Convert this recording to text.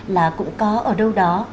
là cũng có ở đâu đó